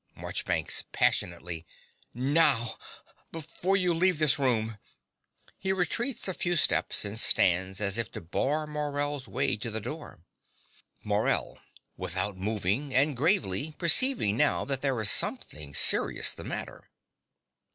MARCHBANKS (passionately). Now. Before you leave this room. (He retreats a few steps, and stands as if to bar Morell's way to the door.) MORELL (without moving, and gravely, perceiving now that there is something serious the matter).